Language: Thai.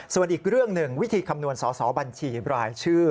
ส่วนอีกเรื่องหนึ่งวิธีคำนวณสอสอบัญชีรายชื่อ